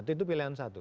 itu pilihan satu